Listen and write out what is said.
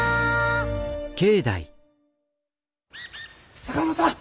坂本さん！